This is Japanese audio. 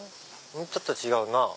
ちょっと違うな。